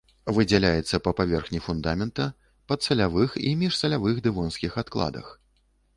Выдзяляецца па паверхні фундамента, падсалявых і міжсалявых дэвонскіх адкладах.